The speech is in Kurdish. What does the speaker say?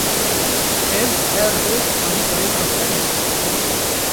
Ez her roj alî dayîka xwe dikim.